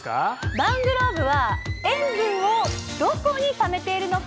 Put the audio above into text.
マングローブは塩分をどこにためているのか。